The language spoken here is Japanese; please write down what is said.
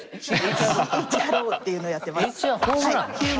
ＣＨＲＯっていうのやってます。